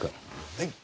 はい？